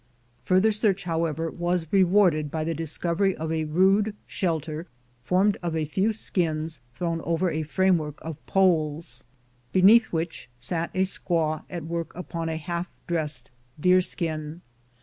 Further search, however, was rewarded by the discovery of a rude shelter formed of a few skins thrown over a frame work of poles, beneath which sat a squaw at work upon a half dressed deerskin.